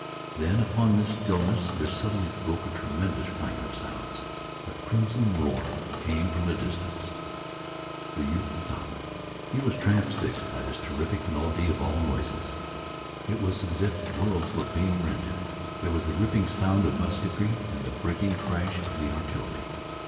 Then, upon this stillness, there suddenly broke a tremendous clangor of sounds. A crimson roar came from the distance. The youth stopped. He was transfixed by this terrific medley of all noises. It was as if worlds were being rended. There was the ripping sound of musketry and the breaking crash of the artillery.